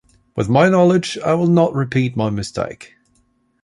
With my knowledge, I will not repeat my mistake